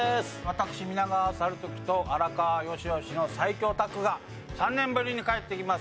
私皆川猿時と荒川良々の最強タッグが３年ぶりに帰ってきます。